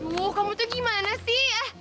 duh kamu tuh gimana sih